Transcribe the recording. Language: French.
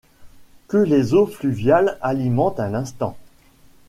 que les eaux fluviales alimentent un instant.